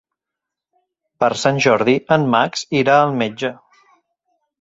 Per Sant Jordi en Max irà al metge.